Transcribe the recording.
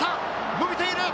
伸びている！